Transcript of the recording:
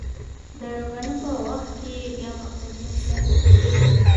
د رباني په وخت کې يې بيا پکول پر سر و.